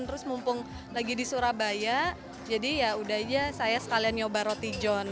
terus mumpung lagi di surabaya jadi yaudah aja saya sekalian nyoba roti john